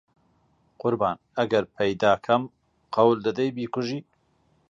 قوربان ئەگەر پەیدا کەم قەول دەدەی بیکوژی؟